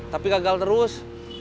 tapi kagal terus